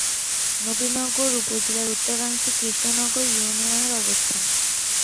নবীনগর উপজেলার উত্তরাংশে কৃষ্ণনগর ইউনিয়নের অবস্থান।